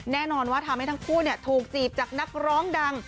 แน่นอนว่าทำให้ทั้งคู่ถูกจีบจากนักร้องดัง